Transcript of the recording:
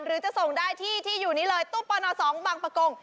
หรือจะส่งได้ที่ที่อยู่นี้เลยตู้ปน๒บางประกง